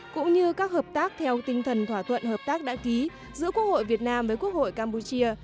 cũng như các hợp tác theo tinh thần thỏa thuận hợp tác đã ký giữa quốc hội việt nam với quốc hội campuchia